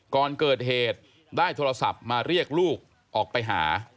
ก่อนเกิดเหตุได้โทรศัพท์มาเรียกลูกออกไปหา